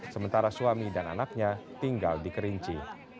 sementara suami dan anaknya tinggal di kerinci